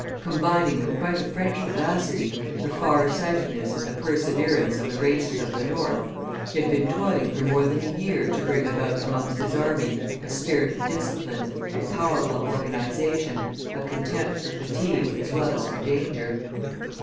Combining with quite a French vivacity the far sightedness and the perseverance of the races of the north, he had been toiling for more than a year to bring about amongst his army a spirit of discipline, a powerful organization, a contempt for fatigue as well as for danger.